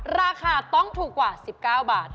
ราคาต้องถูกกว่า๑๙บาท